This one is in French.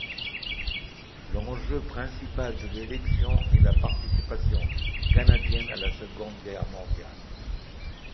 L'enjeu principal de l'élection est la participation canadienne à la Seconde Guerre mondiale.